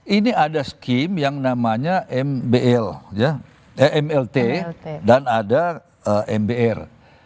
ini ada skim yang namanya mbl mlt dan ada mbr